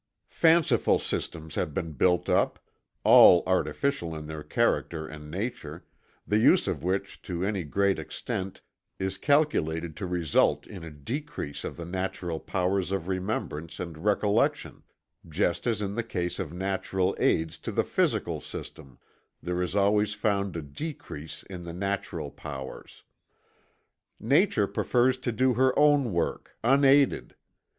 Fanciful systems have been built up, all artificial in their character and nature, the use of which to any great extent is calculated to result in a decrease of the natural powers of remembrance and recollection, just as in the case of natural "aids" to the physical system there is always found a decrease in the natural powers. Nature prefers to do her own work, unaided.